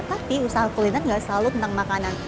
tapi usaha kuliner gak selalu tentang makanan